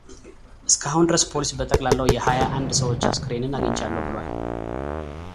እስካሁን ድረስ ፖሊስ በጠቅላለው የሀያ አንድ ሰዎች አስክሬንን አግኝቻለሁ ብሏል